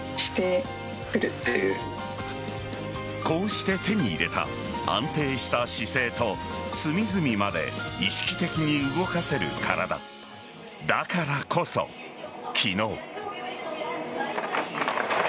こうして手に入れた安定した姿勢と隅々まで意識的に動かせる体だからこそ昨日。